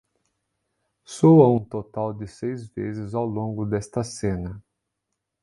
Soa um total de seis vezes ao longo desta cena.